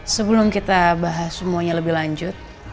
sebelum kita bahas semuanya lebih lanjut